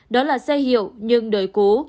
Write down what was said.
đó là xe hiệu nhưng đời cú